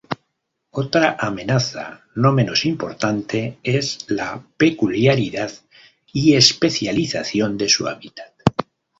Otra amenaza no menos importante es la peculiaridad y especialización de su hábitat.